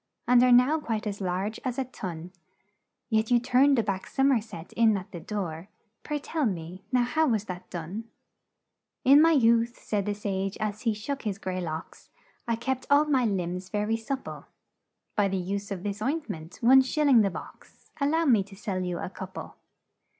And are now quite as large as a tun; Yet you turned a back som er set in at the door Pray, tell me now, how was that done?' "'In my youth,' said the sage, as he shook his gray locks. I kept all my limbs ver y sup ple By the use of this oint ment one shil ling the box Al low me to sell you a coup le.'